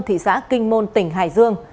thị xã kinh môn tỉnh hải dương